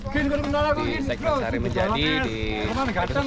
di sekitar sari menjadi di kabupaten keteng